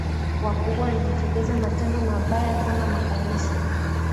wakubwa yalijitokeza matendo mabaya kama makanisa